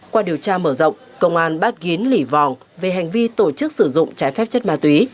qua điều tra mở rộng công an bắt ghiến lỉ vòng về hành vi tổ chức sử dụng trái phép chất ma túy